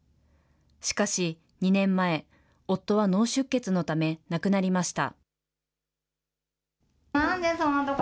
しかし、２年前、夫は脳出血のため、亡くなりました。